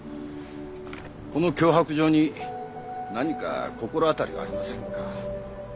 この脅迫状に何か心当たりはありませんか？